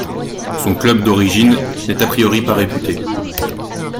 Son club d’origine n’est a priori pas réputé.